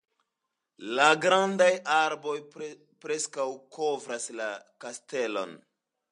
La grandaj arboj preskaŭ kovras la kastelon.